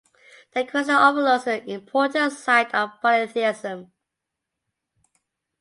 The question overlooks an important side of polytheism.